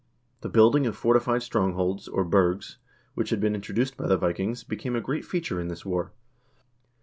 The building of fortified strongholds, or burghs, which had been introduced by the Vikings, became a great feature in this war.